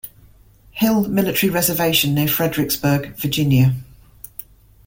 Hill Military Reservation near Fredericksburg, Virginia.